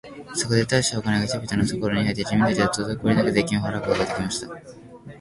そこで大したお金が人々のふところに入って、人民たちはとどこおりなく税金を払うことが出来ました。